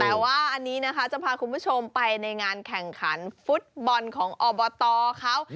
แต่ว่าอันนี้นะคะจะพาคุณผู้ชมไปในงานแข่งขันฟุตบอลของอบตเขา